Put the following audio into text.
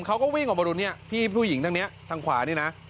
เขาก็วิ่งออกมาดูเนี่ยพี่ผู้หญิงทางนี้ทางขวานี่นะ